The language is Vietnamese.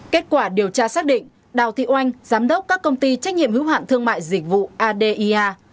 kết quả điều tra xác định đào thị oanh giám đốc các công ty trách nhiệm hữu hạn thương mại dịch vụ adia